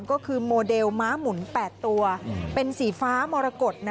ก็คือโมเดลม้าหมุน๘ตัวเป็นสีฟ้ามรกฏ